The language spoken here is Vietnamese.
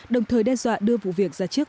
đồng thời đe dọa đưa vụ việc ra trước